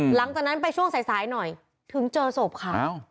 หลังจากนั้นไปช่วงสายหน่อยถึงเจอศพค่ะ